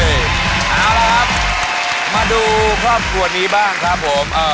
เอาละครับมาดูครอบครัวนี้บ้างครับผม